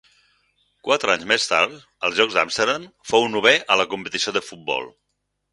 Quatre anys més tard, als Jocs d'Amsterdam, fou novè en la competició de futbol.